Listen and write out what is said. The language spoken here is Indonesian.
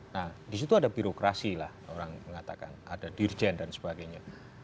nah disitu ada birokrasi lah orang mengatakan ada dirjen dan sebagainya